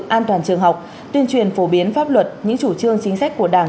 an toàn trường học tuyên truyền phổ biến pháp luật những chủ trương chính sách của đảng